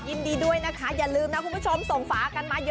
ยินดีด้วยนะคะอย่าลืมนะคุณผู้ชมส่งฝากันมาเยอะ